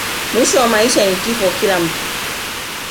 mwisho wa maisha ni kifo kila mtu